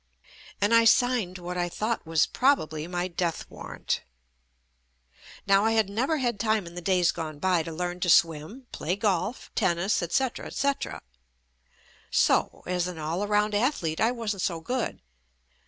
And I signed what I thought was probably my death war rant. Now, I had never had time in the days gone by to learn to swim, play golf, tennis, etc., etc. So, as an all round athlete I wasn't so good.